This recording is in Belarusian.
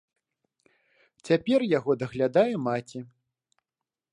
Цяпер яго даглядае маці.